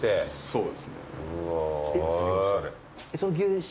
そうです。